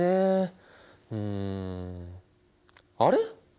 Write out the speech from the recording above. うんあれ？